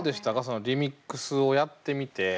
そのリミックスをやってみて。